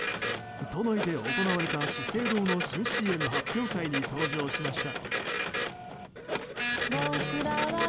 都内で行われた資生堂の新ＣＭ発表会に登場しました。